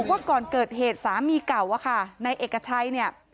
ว่าก่อนเกิดเหตุสามีเก่าอะค่ะนายเอกชัยเนี่ย